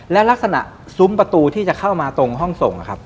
และลักษณะซุ้มประตูที่จะเข้ามาตรงห้องส่งนะครับ